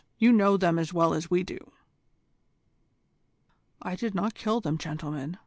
You know them as well as we do." "I did not kill them, gentlemen.